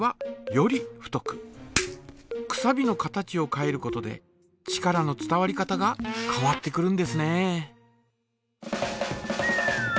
くさびの形を変えることで力の伝わり方が変わってくるんですね。